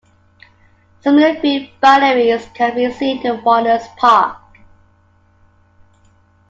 Similar field boundaries can be seen in Warners Park.